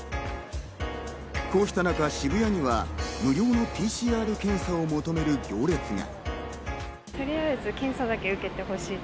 こうした中、渋谷には無料のＰＣＲ検査を求める行列が。